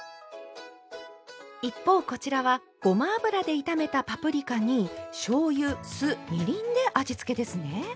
一方こちらはごま油で炒めたパプリカにしょうゆ酢みりんで味付けですね。